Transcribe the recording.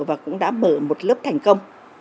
và cũng đã mở một lớp thành công